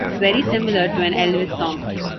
It's very similar to an Elvis song.